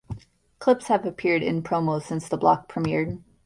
Clips have appeared in promos since the block premiered.